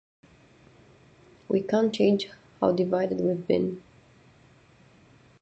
We can’t change how divided we’ve been.